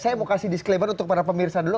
saya mau kasih disclaimer untuk para pemirsa dulu